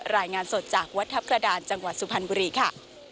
รายงานสดจากวัดทัพกระดานจังหวัดสุพรรณบุรีค่ะ